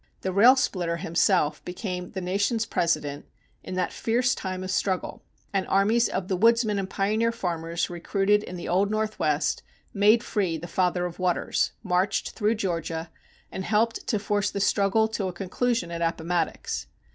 The rail splitter himself became the nation's President in that fierce time of struggle, and armies of the woodsmen and pioneer farmers recruited in the Old Northwest made free the Father of Waters, marched through Georgia, and helped to force the struggle to a conclusion at Appomattox.